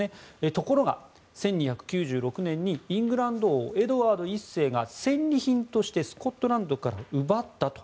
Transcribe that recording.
ところが１２９６年にイングランド王エドワード１世が戦利品としてスコットランドから奪ったと。